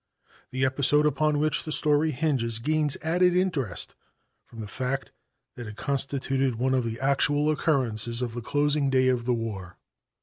The episode upon which the story hinges gains added interest from the fact that it constituted one of the actual occurrences of the closing day of the war.